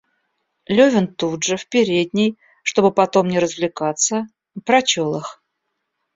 Левин тут же, в передней, чтобы потом не развлекаться, прочел их.